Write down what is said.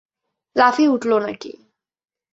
লাফিয়ে উঠলো নাকি?